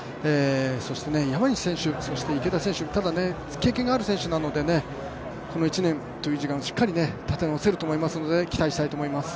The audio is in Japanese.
そして山西選手、池田選手経験がある選手なのでこの１年という時間しっかり立て直せると思うので期待したいと思います。